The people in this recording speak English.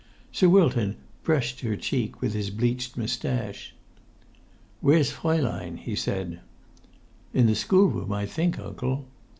Sir Wilton brushed her cheek with his bleached moustache. "Where's Fraulein?" he said. "In the schoolroom, I think, uncle."